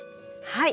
はい。